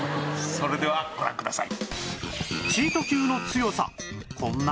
それではご覧ください。